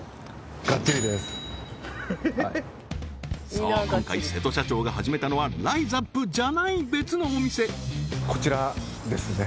そう今回瀬戸社長が始めたのはライザップじゃない別のお店こちらですね